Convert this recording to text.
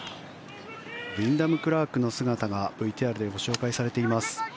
ウィンダム・クラークの姿がＶＴＲでご紹介されています。